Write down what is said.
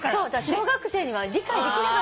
小学生には理解できなかった。